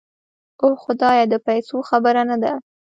اوح خدايه د پيسو خبره نده.